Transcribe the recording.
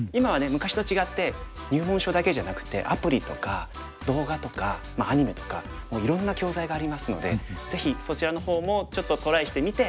昔と違って入門書だけじゃなくてアプリとか動画とかアニメとかもういろんな教材がありますのでぜひそちらの方もちょっとトライしてみて。